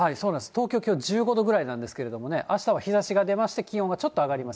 東京きょう１５度ぐらいなんですけどね、あしたは日ざしが出まして、気温はちょっと上がります。